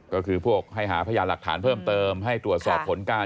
ก็คือพวกให้หาพยานหลักฐานเพิ่มเติมให้ตรวจสอบผลการ